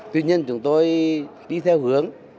tuy nhiên chúng tôi đi theo hướng